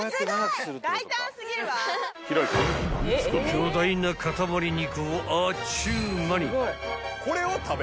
［巨大な塊肉をあっちゅう間に］